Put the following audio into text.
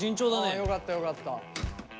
あよかったよかった。